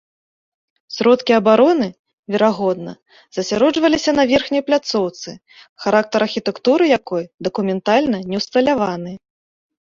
Сродкі абароны, верагодна, засяроджваліся на верхняй пляцоўцы, характар архітэктуры якой дакументальна не ўсталяваны.